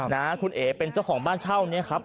นะฮะคุณเอ๋เป็นเจ้าของบ้านเช่านี้ครับ